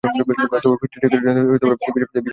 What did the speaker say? তবে ফিরতি টিকিটের জন্য ভিসা দরকার।